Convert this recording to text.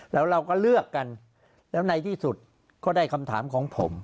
แล้วเราก็เลือกกันแล้วในที่สุดก็ได้คำถามของผม